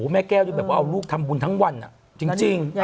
แม่แก้วได้เอาลูกทำบุญทั้งวันอ่ะจริง